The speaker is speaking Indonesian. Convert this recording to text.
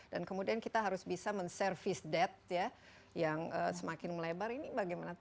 dan kemudian kita harus bisa men service debt yang semakin melebar ini bagaimana